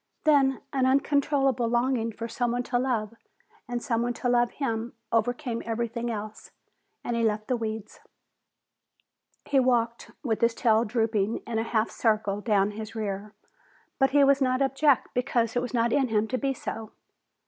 Then an uncontrollable longing for someone to love and someone to love him overcame everything else and he left the weeds. He walked with his tail drooping in a half circle down his rear, but he was not abject because it was not in him to be so.